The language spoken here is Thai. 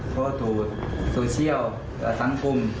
เพราะโทษโซเชียลสังคม